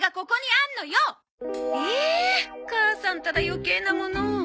母さんたら余計なものを。